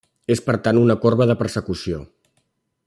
És per tant un corba de persecució.